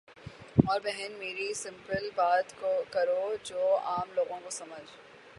او بہن میری سمپل بات کرو جو عام لوگوں کو سمحجھ